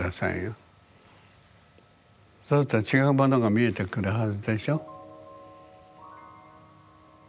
そうすると違うものが見えてくるはずでしょ。